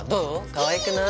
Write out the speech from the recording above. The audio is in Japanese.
かわいくない？